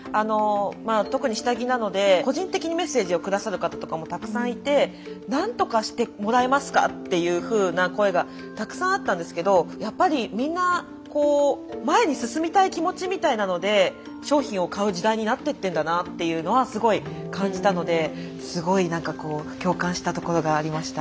特に下着なので個人的にメッセージを下さる方とかもたくさんいて何とかしてもらえますかというふうな声がたくさんあったんですけどやっぱりみんなになってってんだなっていうのはすごい感じたのですごいなんかこう共感したところがありました。